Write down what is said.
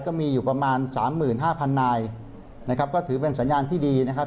ก็มีอยู่ประมาณ๓๕๐๐๐นายนะครับก็ถือเป็นสัญญาณที่ดีนะครับ